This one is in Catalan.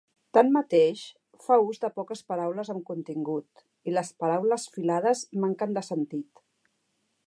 Tanmateix, fa ús de poques paraules amb contingut, i les paraules filades manquen de sentit.